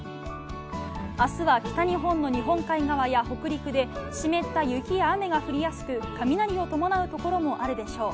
明日は北日本の日本海側や北陸で湿った雪や雨が降りやすく雷を伴うところもあるでしょう。